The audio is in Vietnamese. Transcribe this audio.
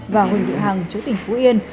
và huỳnh thị hằng chú tỉnh phú yên